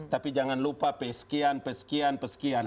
tapi jangan lupa pesekian pesekian pesekian